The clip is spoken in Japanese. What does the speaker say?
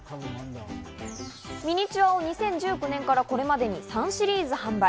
ミニチュアを２０１９年からこれまでに３シリーズ販売。